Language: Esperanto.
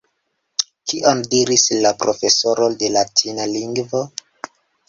Kion diris la profesoro de latina lingvo?